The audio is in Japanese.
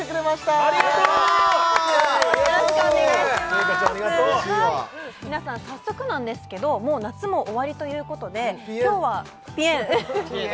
ありがとう嬉しいわ皆さん早速なんですけどもう夏も終わりということでぴえん今日はぴえんぴえ